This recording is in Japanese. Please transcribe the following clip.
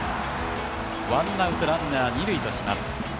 ワンアウトランナー、二塁とします。